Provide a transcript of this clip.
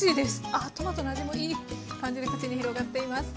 ああトマトの味もいい感じで口に広がっています。